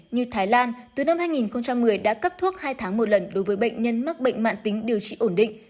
như thái lan từ năm hai nghìn một mươi đã cấp thuốc hai tháng một lần đối với bệnh nhân mắc bệnh mạng tính điều trị ổn định